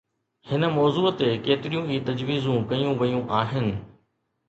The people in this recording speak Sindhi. هن موضوع تي ڪيتريون ئي تجويزون ڪيون ويون آهن.